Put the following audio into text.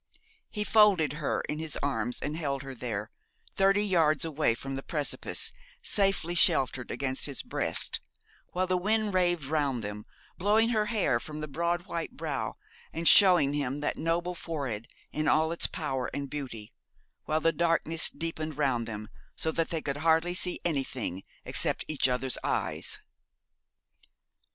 He folded her in his arms and held her there, thirty yards away from the precipice, safely sheltered against his breast, while the wind raved round them, blowing her hair from the broad, white brow, and showing him that noble forehead in all its power and beauty; while the darkness deepened round them so that they could see hardly anything except each other's eyes.